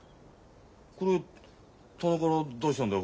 これ棚から出したんだよ